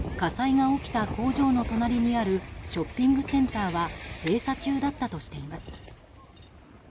火災が起きた工場の隣にあるショッピングセンターは閉鎖中だったとしています。